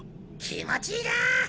気持ちいいな！